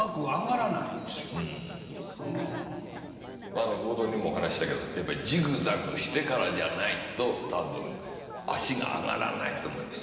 あの冒頭にもお話ししたけどやっぱりジグザグしてからじゃないと多分足が上がらないと思います。